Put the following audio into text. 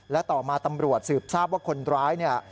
และต่อมาตำรวจสืบทราบว่าคนร้ายเนี่ย